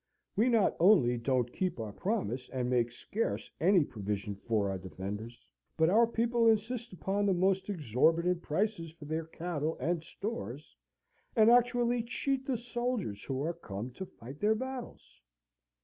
We not only don't keep our promise, and make scarce any provision for our defenders, but our people insist upon the most exorbitant prices for their cattle and stores, and actually cheat the soldiers who are come to fight their battles.